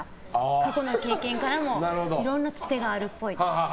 過去の経験からもいろいろなつてがあるっぽい。